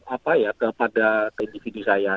apa ya kepada individu saya